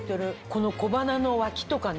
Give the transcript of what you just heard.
この小鼻の脇とかね